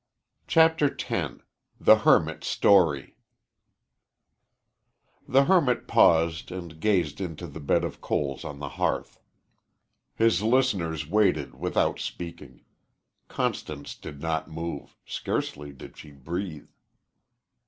CHAPTER X THE HERMIT'S STORY The hermit paused and gazed into the bed of coals on the hearth. His listeners waited without speaking. Constance did not move scarcely did she breathe.